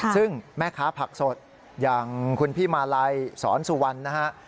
ซึ่งแม่ค้าผักสดอย่างคุณพี่มาลัยสอนสุวรรณนะฮะ